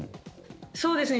そうですね。